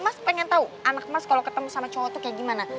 mas pengen tau anak mas kalo ketemu sama cowo tuh kaya gimana